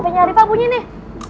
tapi nyari pak bunyi nih